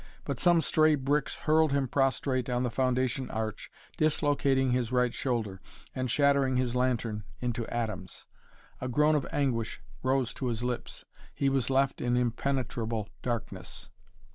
But some stray bricks hurled him prostrate on the foundation arch, dislocating his right shoulder, and shattering his lantern into atoms. A groan of anguish rose to his lips. He was left in impenetrable darkness.